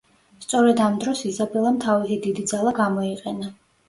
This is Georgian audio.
სწორედ ამ დროს იზაბელამ თავისი დიდი ძალა გამოიყენა.